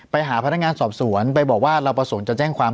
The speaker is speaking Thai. ไปหาพนักงานสอบสวนไปบอกว่าเราประสงค์จะแจ้งความ